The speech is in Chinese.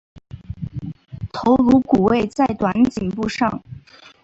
头颅骨位在短颈部上。